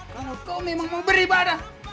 kalau kau memang mau beribadah